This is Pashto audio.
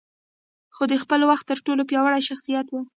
خو د خپل وخت تر ټولو پياوړی شخصيت و.